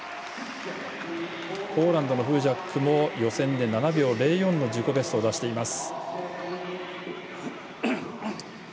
ポーランドのフージャックは予選で７秒０４の自己ベストを出しています。